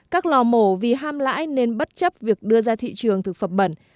các lò mổ vì ham lãi nên bất chấp việc đưa ra thị trường thực phẩm bẩn